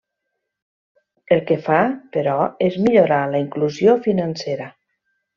El que fa, però, és millorar la inclusió financera.